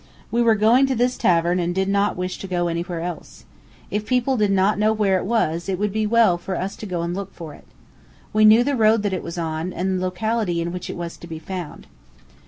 We were going to this tavern, and did not wish to go anywhere else. If people did not know where it was, it would be well for us to go and look for it. We knew the road that it was on, and the locality in which it was to be found.